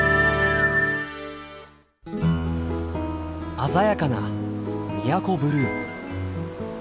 鮮やかな宮古ブルー。